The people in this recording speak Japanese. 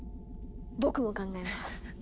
僕も考えます！